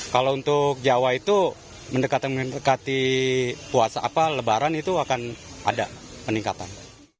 kalau untuk jawa itu mendekati mendekati lebaran itu akan ada peningkatan